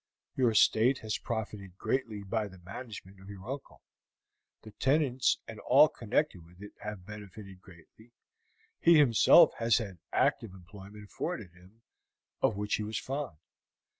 Your estate has profited greatly by the management of your uncle, the tenants and all connected with it have benefited greatly, he himself has had active employment afforded him, of which he was fond.